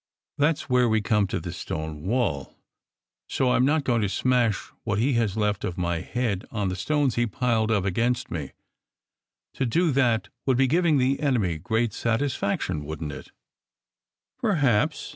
That s where we come to the stone wall. So I m not going to smash what he has left of my head on the stones he piled up against me. To do that would be giving the enemy great satisfaction, wouldn t it?" "Perhaps!"